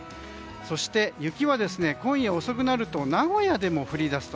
そして、雪は今夜遅くなると名古屋でも降り出すと。